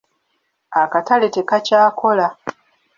Akatale tekakyakola.